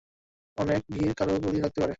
অনেক ভিড়, কারো গুলি লাগতে পারে!